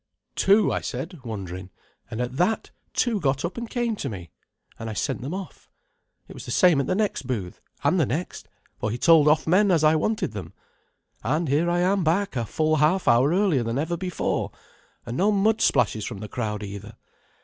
"'Two,'I said, wondering, and at that two got up and came to me, and I sent them off. It was the same at the next booth, and the next, for he told off men as I wanted them; and here am I back a full half hour earlier than ever before, and no mud splashes from the crowd either.